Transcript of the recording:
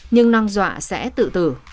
nhưng năng dọa sẽ tự tử